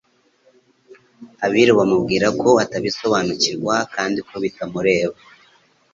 abiru bamubwira ko atabisobanukirwa kandi ko bitamureba.